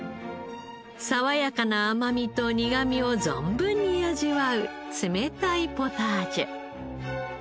爽やかな甘みと苦みを存分に味わう冷たいポタージュ。